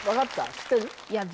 知ってる？